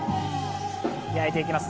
焼いていきます。